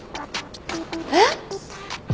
えっ？